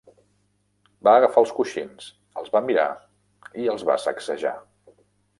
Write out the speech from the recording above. Va agafar els coixins, els va mirar i els va sacsejar.